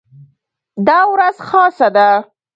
دا ورځ خاصه ده.